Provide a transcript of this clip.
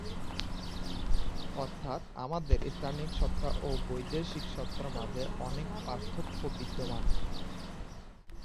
অর্থাৎ আমাদের স্থানিক সত্তা ও বৈশ্বিক সত্তার মাঝে অনেক পার্থক্য বিদ্যমান।